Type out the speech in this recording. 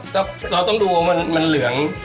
แล้วเราต้องดูว่ามันเหลือง